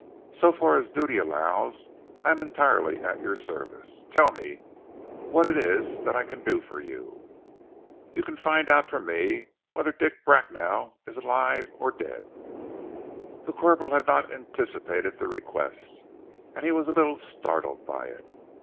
"So far as duty allows, I am entirely at your service. Tell me what it is that I can do for you." "You can find out for me whether Dick Bracknell is alive or dead." The corporal had not anticipated the request, and he was a little startled by it.